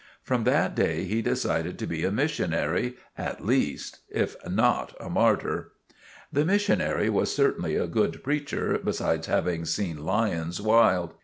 From that day he decided to be a missionary at least, if not a martyr. The missionary was certainly a good preacher, besides having seen lions wild.